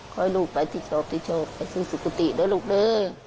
ขอให้ลูกไปที่จอบไปซึ่งสุขติด้วยลูกเด้อ